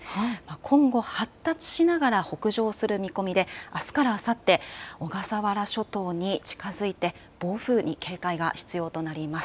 今後発達しながら北上する見込みで、あすからあさって小笠原諸島に近づいて暴風に警戒が必要となります。